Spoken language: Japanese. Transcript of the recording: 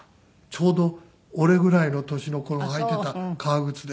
ちょうど俺ぐらいの年の子が履いてた革靴で。